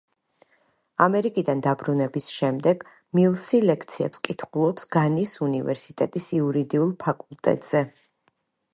ამერიკიდან დაბრუნების შემდეგ მილსი ლექციებს კითხულობს განის უნივერსიტეტის იურიდიულ ფაკულტეტზე.